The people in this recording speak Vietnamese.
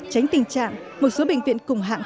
tránh tình trạng một số bệnh viện cùng hạng